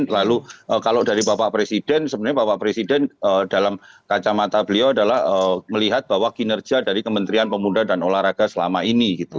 lalu kalau dari bapak presiden sebenarnya bapak presiden dalam kacamata beliau adalah melihat bahwa kinerja dari kementerian pemuda dan olahraga selama ini